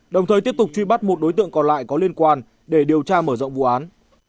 đồng thời tiếp tục truy bắt một đối tượng còn lại có liên quan để điều tra mở rộng vụ án